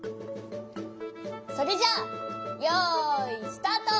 それじゃあよいスタート！